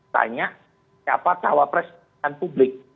tanya siapa cawapres dan publik